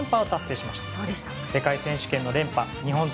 世界選手権の連覇日本勢